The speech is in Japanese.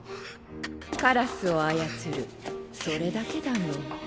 カラスを操るそれだけだよ。